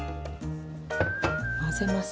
混ぜます。